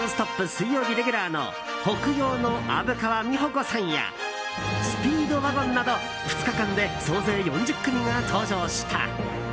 水曜日レギュラーの北陽の虻川美穂子さんやスピードワゴンなど２日間で総勢４０組が登場した。